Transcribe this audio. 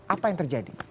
apa yang terjadi